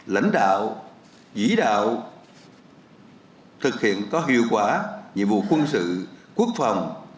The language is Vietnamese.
lãnh đạo chỉ đạo thực hiện có hiệu quả nhiệm vụ quân sự quốc phòng